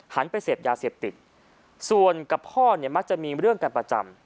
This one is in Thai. ไปเสพยาเสพติดส่วนกับพ่อเนี่ยมักจะมีเรื่องกันประจำ